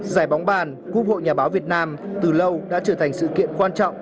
giải bóng bàn quốc hội nhà báo việt nam từ lâu đã trở thành sự kiện quan trọng